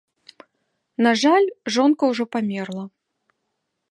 На жаль, жонка ўжо памерла.